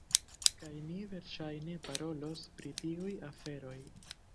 Kaj ni verŝajne parolos pri tiuj aferoj.